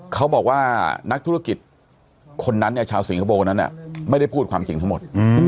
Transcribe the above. เขาบอกว่านักธุรกิจคนนั้นเนี่ยชาวสิงคโปร์นั้นไม่ได้พูดความจริงทั้งหมด